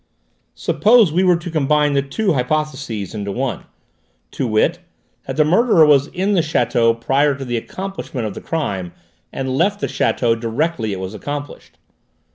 "Suppose we were to combine the two hypotheses into one; to wit, that the murderer was in the château prior to the accomplishment of the crime and left the château directly it was accomplished.